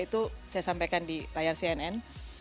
itu saya sampaikan di layar cnn